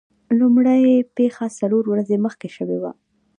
لومړۍ پیښه څلور ورځې مخکې شوې وه.